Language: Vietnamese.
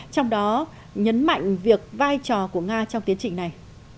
trong đó nhấn mạnh việc vai trò của nga trong tiến trình này